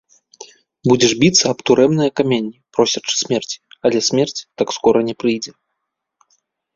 Будзеш біцца аб турэмныя каменні, просячы смерці, але смерць так скора не прыйдзе.